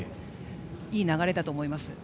いい流れだと思います。